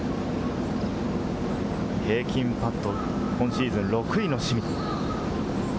平均パット、今シーズン６位の清水。